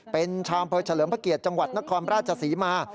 เป็นชาวอำเภอเฉลิมพระเกียรติจังหวัดนครราชศรีมา